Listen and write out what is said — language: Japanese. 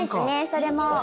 それも。